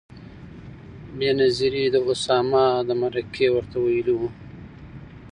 بېنظیرې د اسامه د مرکې ورته ویلي و.